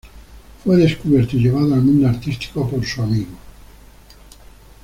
Fue descubierto y llevado al mundo artístico por su amigo.